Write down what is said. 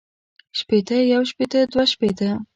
شپېتۀ يو شپېته دوه شپېته